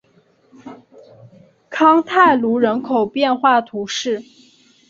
康泰卢人口变化图示